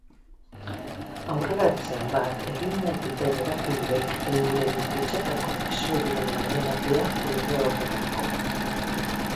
Aurrerantzean bat egin nahi duten erakundeek euren kutxetako akziodunen baimena beharko dute horretarako.